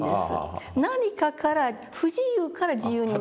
何かから不自由から自由になるという。